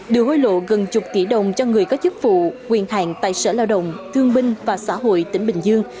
đưa hối lộ gần chục tỷ đồng cho người có chức vụ quyền hạn tại sở lao động thương binh và xã hội tỉnh bình dương